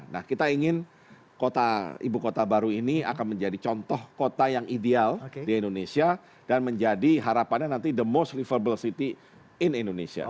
nah kita ingin kota ibu kota baru ini akan menjadi contoh kota yang ideal di indonesia dan menjadi harapannya nanti the most livable city in indonesia